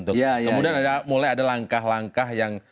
kemudian mulai ada langkah langkah yang